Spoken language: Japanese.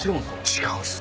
違うんです。